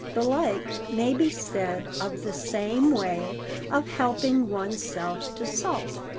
The like may be said of the same way of helping one's self to salt.